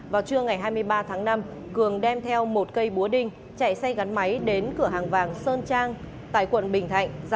vào trưa ngày hai mươi ba tháng năm cường đem theo một cây búa đinh chạy xe gắn máy đến cửa hàng vàng sơn trang tại quận bình thạnh